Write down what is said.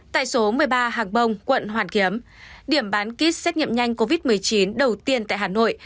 tại số một mươi ba hàng bông quận hoàn kiếm điểm bán kit xét nghiệm nhanh covid một mươi chín đầu tiên tại hà nội